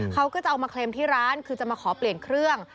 เขาก็จะเอามาเคลมที่ร้านคือจะมาขอเปลี่ยนเครื่อง